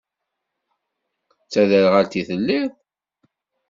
D taderɣalt i telliḍ?